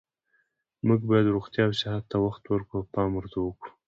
موږ باید روغتیا او صحت ته وخت ورکړو او پام ورته کړو